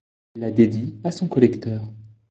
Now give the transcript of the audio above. Il la dédie à son collecteur.